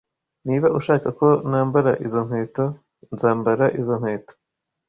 Niba ushaka ko nambara izo nkweto, nzambara izo nkweto.